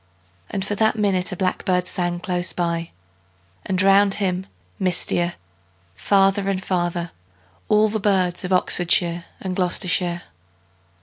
And for that minute a blackbird sang Close by, and round him, mistier, Farther and farther, all the birds Of Oxfordshire and Gloustershire.